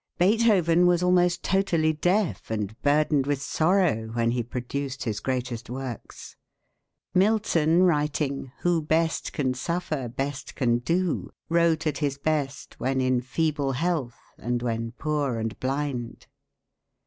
Beethoven was almost totally deaf and burdened with sorrow when he produced his greatest works. Milton writing "Who best can suffer, best can do," wrote at his best when in feeble health, and when poor and blind.